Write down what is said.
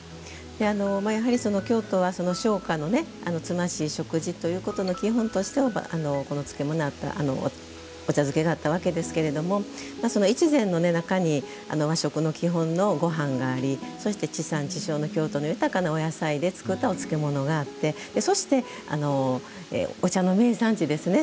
やはり、京都は商家のつましい食事ということの基本としてお茶漬けがあったわけですがその一膳の中に和食の基本のごはんがありそして、地産池消の京都の豊かなお野菜で作ったお漬物があってそして、お茶の名産地ですね。